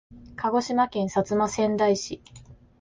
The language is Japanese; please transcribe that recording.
鹿児島県薩摩川内市